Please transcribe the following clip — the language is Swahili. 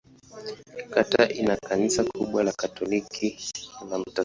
Kata ina kanisa kubwa la Katoliki la Mt.